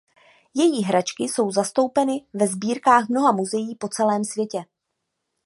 Její hračky jsou zastoupeny ve sbírkách mnoha muzeí po celém světě.